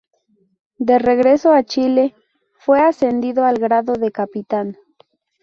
De regreso a Chile, fue ascendido al grado de Capitán.